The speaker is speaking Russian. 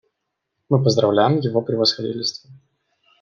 Мы поздравляем Его Превосходительство.